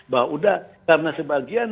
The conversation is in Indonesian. bahwa udah karena sebagian